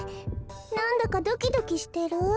なんだかドキドキしてる？